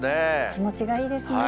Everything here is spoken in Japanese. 気持ちがいいですね。